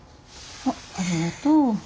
あっありがとう。